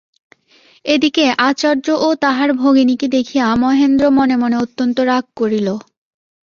এ দিকে আচার্য ও তাহার ভগিনীকে দেখিয়া মহেন্দ্র মনে মনে অত্যন্ত রাগ করিল।